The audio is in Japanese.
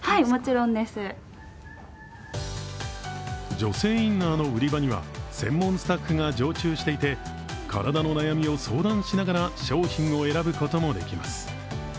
女性インナーの売り場には専門スタッフが常駐していて体の悩みを相談しながら商品を選ぶこともできます。